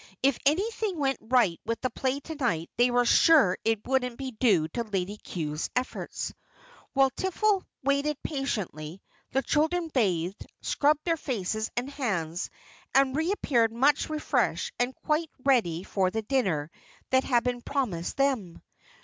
If anything went right with the play tonight they were sure it wouldn't be due to Lady Cue's efforts. While Twiffle waited patiently, the children bathed, scrubbed their faces and hands, and reappeared much refreshed and quite ready for the dinner that had been promised them.